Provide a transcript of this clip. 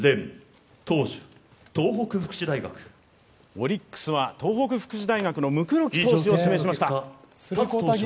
オリックスは東北福祉大学の椋木選手を指名しました。